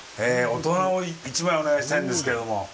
大人を１枚お願いしたいんですけども。